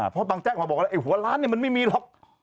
เพราะบางแจ้งมาบอกว่าไอ้หัวล้านเนี่ยมันไม่มีหรอก